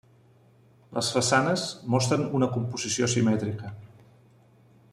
Les façanes mostren una composició simètrica.